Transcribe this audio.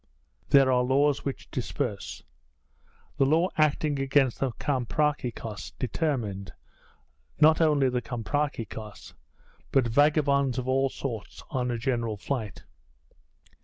There are laws which disperse. The law acting against the Comprachicos determined, not only the Comprachicos, but vagabonds of all sorts, on a general flight.